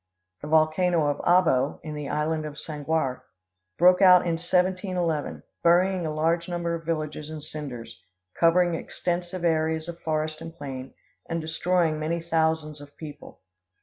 The volcano of Abo, in the island of Sanguir, broke out in 1711, burying a large number of villages in cinders, covering extensive areas of forest and plain, and destroying many thousands of people.